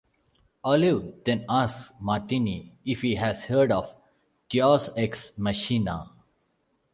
Olive then asks Martini if he has heard of Deus Ex Machina.